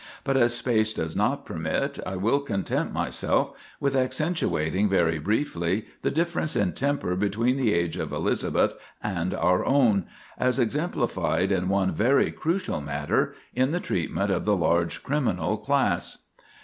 But as space does not permit, I will content myself with accentuating very briefly the difference in temper between the age of Elizabeth and our own, as exemplified in one very crucial matter—in the treatment of the large criminal class.